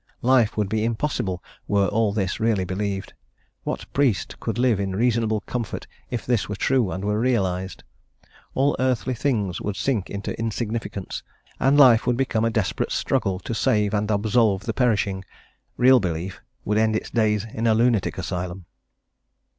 Life would be impossible were all this really believed; what priest could live in reasonable comfort if this were true and were realised? All earthly things would sink into insignificance, and life would become a desperate struggle to save and absolve the perishing; real belief would end its days in a lunatic asylum.